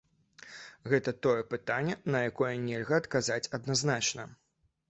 Гэта тое пытанне, на якое нельга адказаць адназначна.